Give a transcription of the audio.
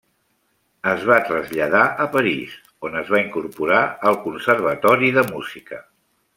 Es va traslladar a París, on es va incorporar al Conservatori de Música.